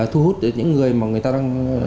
thu hút những người mà người ta đang